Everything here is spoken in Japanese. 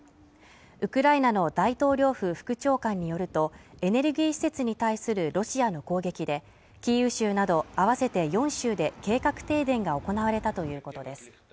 ウクライナの大統領府副長官によるとエネルギー施設に対するロシアの攻撃でキーウ州など合わせて４州で計画停電が行われたということです